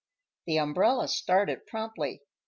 The umbrella started promptly.